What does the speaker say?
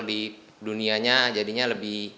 di dunianya jadinya lebih